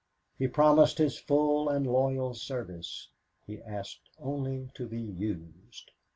He promised his full and loyal service. He asked only to be used.